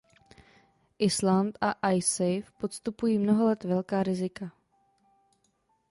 Island a Icesave podstupují mnoho let velká rizika.